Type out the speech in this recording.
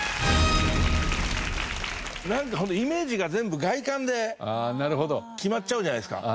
イメージが全部外観で決まっちゃうじゃないですか。